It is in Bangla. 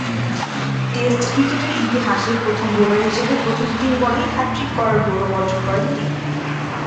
টেস্ট ক্রিকেটের ইতিহাসে প্রথম বোলার হিসেবে প্রথম তিন বলেই হ্যাট্রিক করার গৌরব অর্জন করেন তিনি।